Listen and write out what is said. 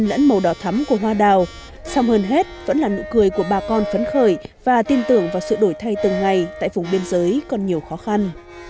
lẫn màu đỏ thắm của hoa đào xong hơn hết vẫn là nụ cười của bà con phấn khởi và tin tưởng vào sự đổi thay từng ngày tại vùng biên giới còn nhiều khó khăn